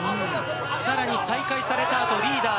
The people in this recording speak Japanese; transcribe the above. さらに再開された後リーダー